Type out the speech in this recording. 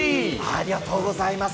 ありがとうございます。